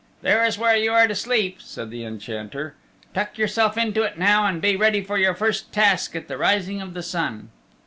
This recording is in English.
"There is where you are to sleep" said the Enchanter. "Tuck yourself into it now and be ready for your first task at the rising of the sun."